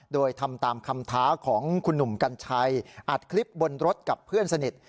โดยทำตามคำท้าของคุณหนุ่มกัญชัยอัดคลิปบนรถกับเพื่อนสนิท